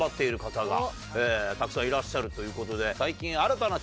たくさんいらっしゃるということで。